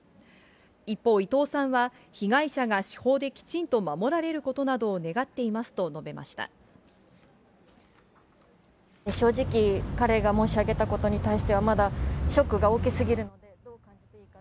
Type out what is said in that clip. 一方、伊藤さんは被害者が司法できちんと守られることなどを願っていま正直、彼が申し上げたことに対しては、まだショックが大きすぎるので。